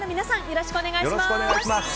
よろしくお願いします。